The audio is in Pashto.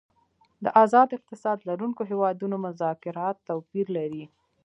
د آزاد اقتصاد لرونکو هیوادونو مذاکرات توپیر لري